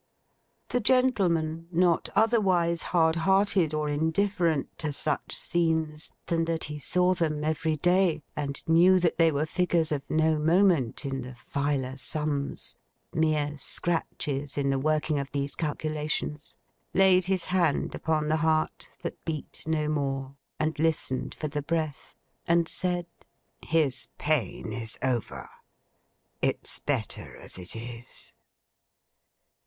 The gentleman, not otherwise hard hearted or indifferent to such scenes, than that he saw them every day, and knew that they were figures of no moment in the Filer sums—mere scratches in the working of these calculations—laid his hand upon the heart that beat no more, and listened for the breath, and said, 'His pain is over. It's better as it is!